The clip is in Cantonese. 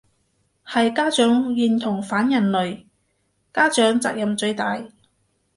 係家長認同反人類，家長責任最大